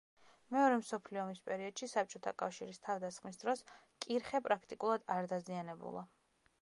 მეორე მსოფლიო ომის პერიოდში საბჭოთა კავშირის თავდასხმის დროს კირხე პრაქტიკულად არ დაზიანებულა.